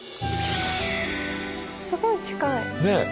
すごい近い。ね。